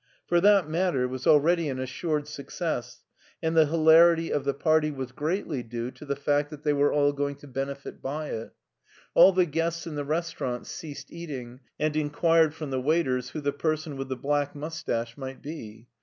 For that matter it was already an assured success, and the hilarity of the party was greatly due to the fact that they were ^ aa6 MARTIN SCHULER all going to benefit by it All the guests in the restaur ant ceased eating, and enquired from the waiters who the person with the black mustache might be.